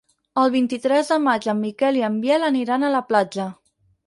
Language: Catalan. El vint-i-tres de maig en Miquel i en Biel aniran a la platja.